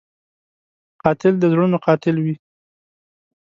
قاتل د زړونو قاتل وي